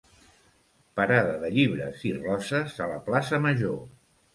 Parada de llibres i roses a la plaça major.